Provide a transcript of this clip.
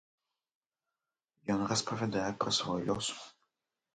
Ён распавядае пра свой лёс.